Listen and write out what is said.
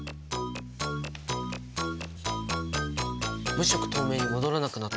無色透明に戻らなくなった。